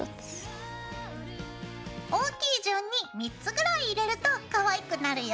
大きい順に３つぐらい入れるとかわいくなるよ。